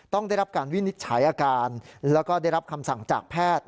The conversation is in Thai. ต้องได้รับการวินิจฉัยอาการแล้วก็ได้รับคำสั่งจากแพทย์